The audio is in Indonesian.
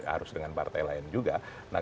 harus dengan partai lain juga